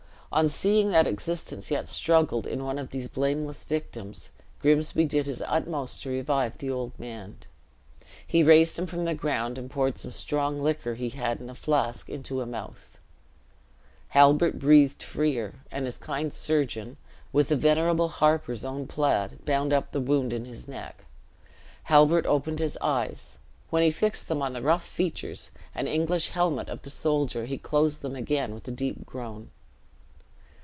On seeing that existence yet struggled in one of these blameless victims, Grimsby did his utmost to revive the old man. He raised him from the ground, and poured some strong liquor he had in a flask into a mouth. Halbert breathed freer; and his kind surgeon, with the venerable harper's own plaid, bound up the wound in his neck. Halbert opened his eyes. When he fixed them on the rough features and English helmet of the soldier, he closed them again with a deep groan.